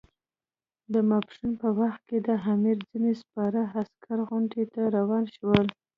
د ماپښین په وخت کې د امیر ځینې سپاره عسکر غونډۍ ته روان شول.